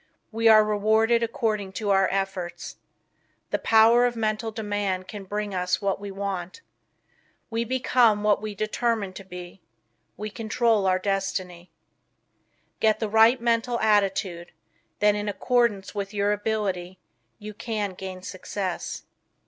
We are rewarded according to our efforts. The Power of Mental Demand can bring us what we want. We become what we determine to be. We control our own destiny. Get the right mental attitude, then in accordance with your ability you can gain success.